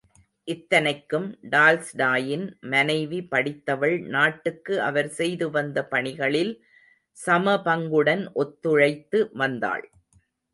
இத்தனைக்கும் டால்ஸ்டாயின் மனைவி படித்தவள் நாட்டுக்கு அவர் செய்து வந்த பணிகளில் சமபங்குடன் ஒத்துழைத்து வந்தாள்.